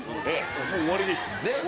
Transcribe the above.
もう終わりでしょ。